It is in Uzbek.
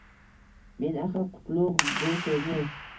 Men axir kutlug’ bu so’zni